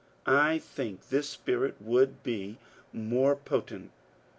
I think this spirit would be more po* tent.